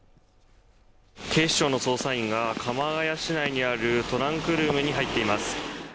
警視庁の捜査員が鎌ケ谷市内にあるトランクルームに入っています